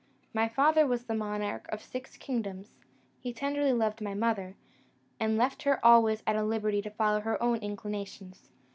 My father was the monarch of six kingdoms; he tenderly loved my mother, and left her always at liberty to follow her own inclinations.